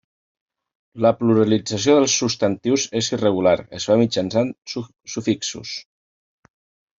La pluralització dels substantius és irregular, es fa mitjançant sufixos.